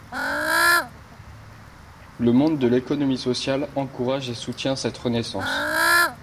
Le monde de l'économie sociale encourage et soutient cette renaissance.